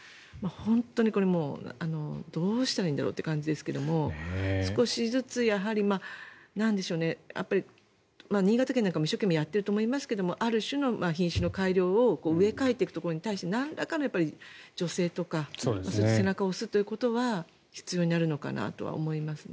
本当にこれはどうしたらいいんだろうって感じですけど少しずつ新潟県なんかも一生懸命やってると思いますがある種の品種改良を植え替えていくところに対してなんらかの助成とか背中を押すということは必要になるのかなとは思いますね。